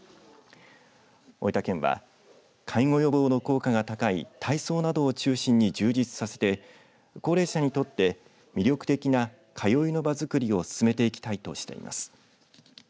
大分県は介護予防の効果が高い体操などを中心に充実させて高齢者にとって魅力的な通いの場づくりを進めていきたいとしています。